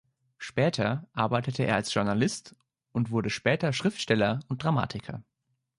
Später arbeitete er als Journalist und wurde später Schriftsteller und Dramatiker.